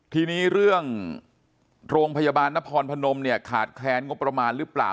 ทีนี้เรื่องโรงพยาบาลนครพนมเนี่ยขาดแคลนงบประมาณหรือเปล่า